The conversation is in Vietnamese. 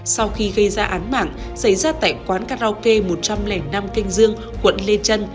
sau khi gây ra án mạng xảy ra tại quán karaoke một trăm linh năm kênh dương quận lê trân